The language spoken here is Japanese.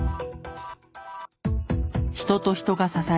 「人と人が支え合う」